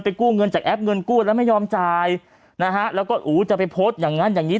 กู้เงินจากแอปเงินกู้แล้วไม่ยอมจ่ายนะฮะแล้วก็อู๋จะไปโพสต์อย่างงั้นอย่างงี้